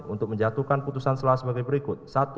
untuk menjatuhkan putusan selah sebagai berikut